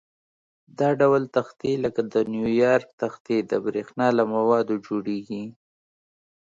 دا ډول تختې لکه د نیوپان تختې د برېښنا له موادو جوړيږي.